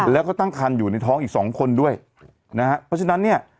แล้วก็ตั้งคันอยู่ในท้องอีกสองคนด้วยนะฮะเพราะฉะนั้นเนี่ย